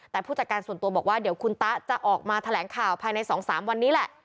แต่ผู้จัดการส่วนตัวบอกว่าเดี๋ยวคุณตะจะออกมาแถลงข่าวภายใน๒๓วันนี้แหละ